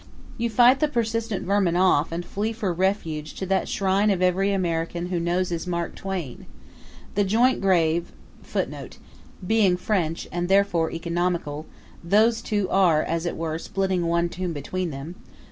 You fight the persistent vermin off and flee for refuge to that shrine of every American who knows his Mark Twain the joint grave [Footnote: Being French, and therefore economical, those two are, as it were, splitting one tomb between them.